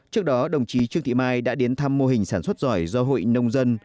trước đó đồng chí trương thị mai đã đến thăm mô hình sản xuất giỏi do hội nông dân